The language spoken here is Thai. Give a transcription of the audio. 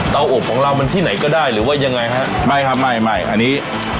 อบของเรามันที่ไหนก็ได้หรือว่ายังไงฮะไม่ครับไม่ไม่อันนี้